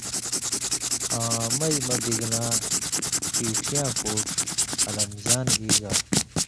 آں مژ مہ بِگلاں پیڇی یاں پُوڇ علم جان ای گا۔